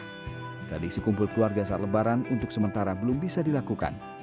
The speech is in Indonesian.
tradisi kumpul keluarga saat lebaran untuk sementara belum bisa dilakukan